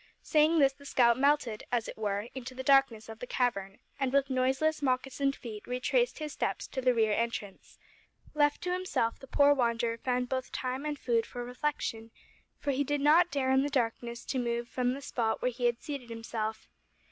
Saying this the scout melted, as it were, into the darkness of the cavern, and, with noiseless moccasined feet, retraced his steps to the rear entrance. Left to himself the poor wanderer found both time and food for reflection, for he did not dare in the darkness to move from the spot where he had seated himself.